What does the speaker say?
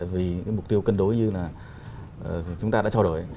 vì những mục tiêu cân đối như là chúng ta đã trao đổi